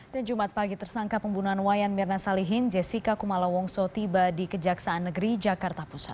dan jumat pagi tersangka pembunuhan wayan mirna salihin jessica kumala wongso tiba di kejaksaan negeri jakarta